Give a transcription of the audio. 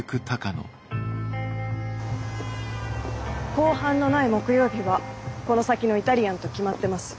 公判のない木曜日はこの先のイタリアンと決まってます。